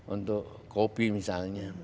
untuk kopi misalnya